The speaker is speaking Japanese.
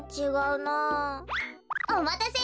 おまたせ！